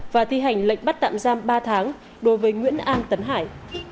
và thi hành lệnh bắt tạm giam ba tháng đối với nguyễn an tấn hải